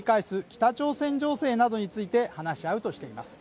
北朝鮮情勢などについて話し合うとしています。